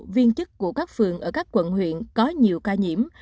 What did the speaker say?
viên chức của các phường ở các quận huyện có nhiều ca nhiễm